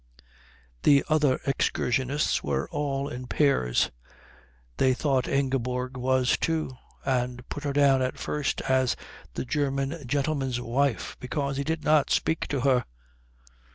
The other excursionists were all in pairs; they thought Ingeborg was, too, and put her down at first as the German gentleman's wife because he did not speak to her.